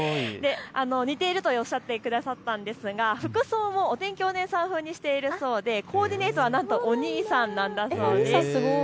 似ているとおっしゃってくださったんですが、服装もお天気お姉さんふうにしているそうでコーディネートはなんとお兄さんなんだそうです。